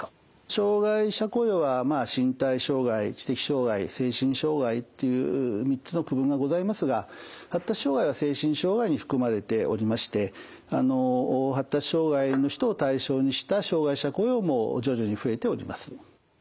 障害者雇用は身体障害知的障害精神障害という３つの区分がございますが発達障害は精神障害に含まれておりまして発達障害の人を対象にした障害者雇用も徐々に増えております。